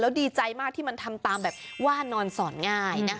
ดีใจมากที่มันทำตามแบบว่านอนสอนง่ายนะคะ